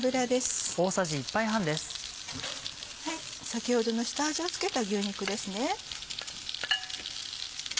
先ほどの下味を付けた牛肉です。